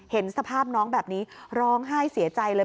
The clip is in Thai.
เห็นสภาพน้องแบบนี้ร้องไห้เสียใจเลย